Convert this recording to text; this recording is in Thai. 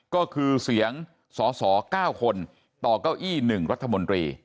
ก็คือเสียงสส๙คนต่อเก้าอี้๑รัฐมนตรี